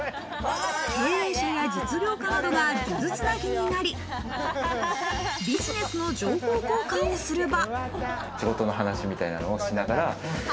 経営者や実業家などが数珠つなぎのようになり、ビジネスの情報交換をする場。